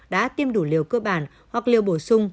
đã tiêm đủ liều cơ bản hoặc liều bổ sung